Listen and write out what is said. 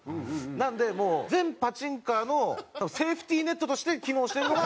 なのでもう全パチンカーのセーフティーネットとして機能してるのが。